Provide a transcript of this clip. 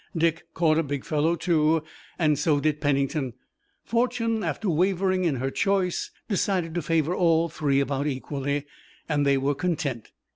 Dick caught a big fellow too, and so did Pennington. Fortune, after wavering in her choice, decided to favor all three about equally, and they were content.